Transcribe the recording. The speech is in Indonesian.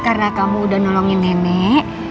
karena kamu udah nolongin nenek